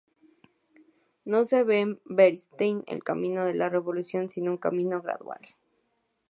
No se ve en Bernstein el camino de la revolución sino un cambio gradual.